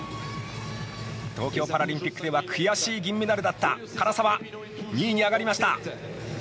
東京パラリンピックでは悔しい銀メダルだった唐澤２位に上がりました。